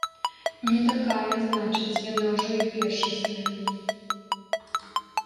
Не такая, значыць, яна ўжо і першасная.